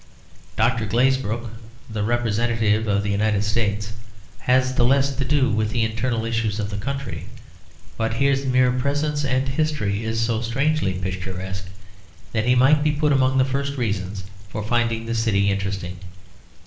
Dr. Glazebrook, the representative of the United States, has the less to do with the internal issues of the country; but his mere presence and history is so strangely picturesque that he might be put among the first reasons for finding the city interesting.